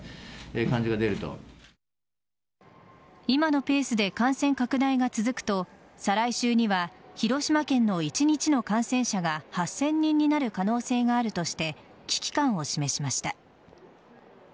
今のペースで感染拡大が続くと再来週には広島県の一日の感染者が８０００人になる可能性があるとして危機感を示しました。